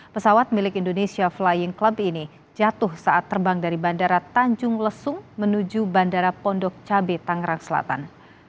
pesawat milik indonesia flying cluby ini jatuh saat terbang dari bandara tanjung lesung menuju bandara pondok cabe tangerang selatan